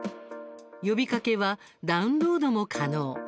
呼びかけはダウンロードも可能。